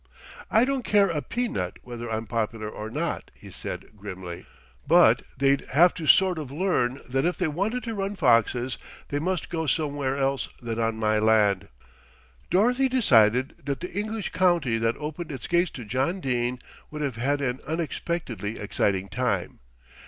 "I don't care a pea nut whether I'm popular or not," he said grimly; "but they'd have to sort of learn that if they wanted to run foxes, they must go somewhere else than on my land." Dorothy decided that the English county that opened its gates to John Dene would have an unexpectedly exciting time.